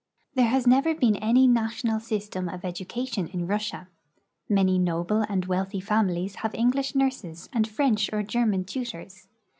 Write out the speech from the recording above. There has never been any national system of education in Russia. Many noble and wealthy families have English nurses and French or German tutors.